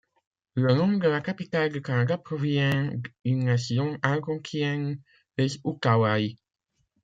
Le nom de la capitale du Canada provient d'une nation algonquienne, les Outaouais.